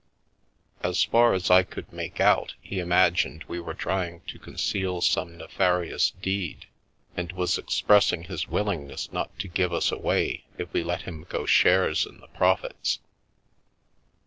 As far as I could make out, he im agined we were trying to conceal some nefarious deed and was expressing his willingness not to give us away if we let him go shares in the profits.